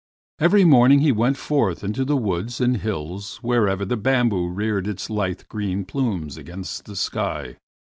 Every morning he went forth into the woods and hills wherever the bamboo reared its lithe green plumes against the sky.